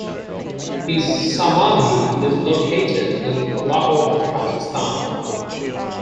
His Samadhi is located in Lahore, Pakistan.